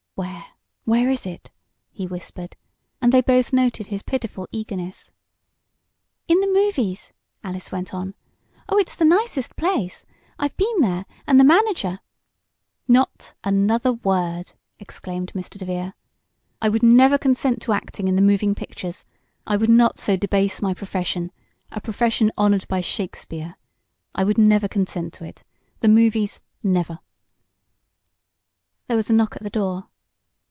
"Where where is it?" he whispered, and they both noted his pitiful eagerness. "In the movies!" Alice went on. "Oh, it's the nicest place! I've been there, and the manager " "Not another word!" exclaimed Mr. DeVere. "I never would consent to acting in the moving pictures. I would not so debase my profession a profession honored by Shakespeare. I never would consent to it. The movies! Never!" There was a knock at the door.